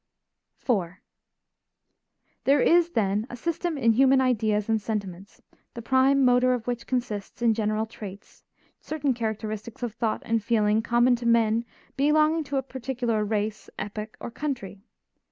IV There is, then, a system in human ideas and sentiments, the prime motor of which consists in general traits, certain characteristics of thought and feeling common to men belonging to a particular race, epoch, or country.